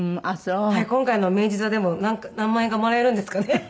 今回の明治座でも何万円かもらえるんですかね？